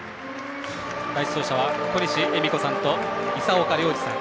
第１走者は小西恵美子さんと砂岡良治さん。